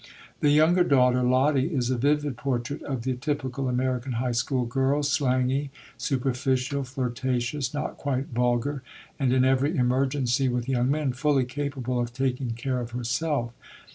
The younger daughter Lottie is a vivid portrait of the typical American high school girl, slangy, superficial, flirtatious, not quite vulgar, and in every emergency with young men fully capable of taking care of herself.